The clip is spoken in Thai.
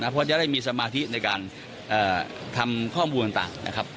เพราะจะได้มีสมาธิในการทำข้อมูลต่างนะครับ